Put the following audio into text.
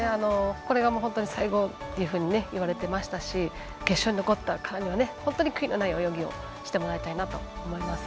これが本当に最後というふうに言われていますし決勝に残ったからには本当に悔いのない泳ぎをしてもらいたいなと思います。